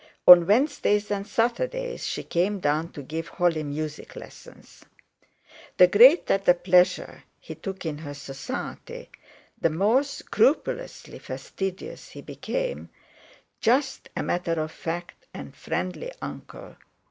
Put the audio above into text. On Wednesdays and Saturdays she came down to give Holly music lessons. The greater the pleasure he took in her society, the more scrupulously fastidious he became, just a matter of fact and friendly uncle.